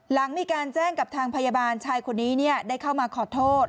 หลังมีการแจ้งกับทางพยาบาลชายคนนี้ได้เข้ามาขอโทษ